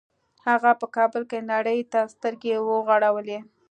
هغه په کابل کې نړۍ ته سترګې وغړولې